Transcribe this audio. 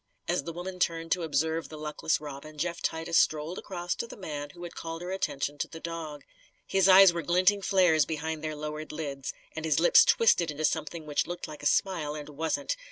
As the woman turned to observe the luckless Robin, Jeff Titus strolled across to the man who had called her attention to the dog. His eyes were glinting flares behind their lowered lids, and his lips twisted into something which looked like a smile and wasn't.